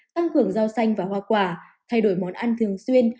tăng cường rau xanh và hoa quả thay đổi món ăn thường xuyên